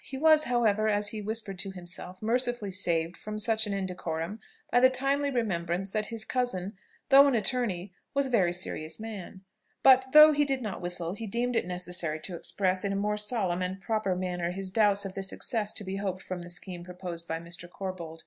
He was, however, as he whispered to himself, mercifully saved from such an indecorum by the timely remembrance that his cousin, though an attorney, was a very serious man; but, though he did not whistle, he deemed it necessary to express in a more solemn and proper manner his doubts of the success to be hoped from the scheme proposed by Mr. Corbold.